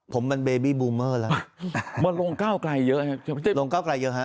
ผมมันเบบี้บูเมอร์แล้วมันลงก้าวไกลเยอะครับลงก้าวไกลเยอะฮะ